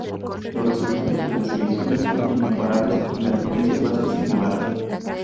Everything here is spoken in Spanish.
Los resultados de las elecciones fueron inmejorables en las provincias vascas y Navarra.